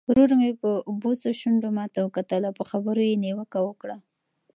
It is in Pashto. ورور مې په بوڅو شونډو ماته وکتل او په خبرو یې نیوکه وکړه.